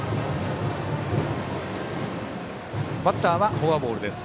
バッターはフォアボールです。